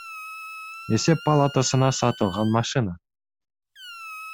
Эсеп палатасына сатылган машина